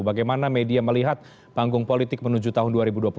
bagaimana media melihat panggung politik menuju tahun dua ribu dua puluh empat